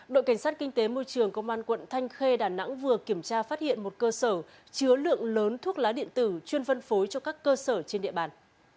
đội cảnh sát kinh tế môi trường công an quận thanh khê đà nẵng vừa kiểm tra phát hiện một cơ sở chứa lượng lớn thuốc lá điện tử chuyên phân phối cho các cơ sở trên địa bàn